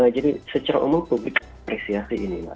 jadi secara umum publik mengapresiasi ini mbak